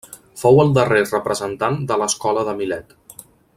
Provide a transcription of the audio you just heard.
Fou el darrer representant de l'escola de Milet.